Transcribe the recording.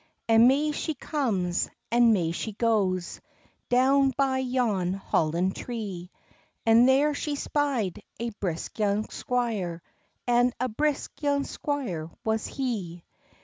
And may she comes, and may she goes, Down by yon hollin tree, And there she spied a brisk young squire, And a brisk young squire was he.